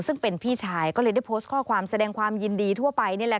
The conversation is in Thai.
ซึ่งเป็นพี่ชายก็เลยได้โพสต์ข้อความแสดงความยินดีทั่วไปนี่แหละ